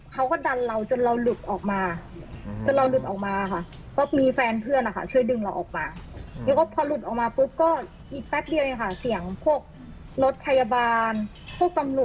เขาก็ดันเราจนเราหลุดออกมาค่ะ